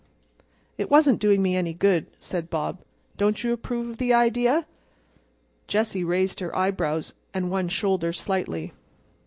"It wasn't doing me any good," said Bob. "Don't you approve of the idea?" Jessie raised her eyebrows and one shoulder slightly.